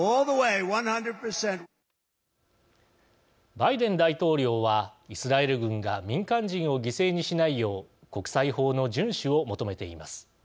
バイデン大統領はイスラエル軍が民間人を犠牲にしないよう国際法の順守を求めています。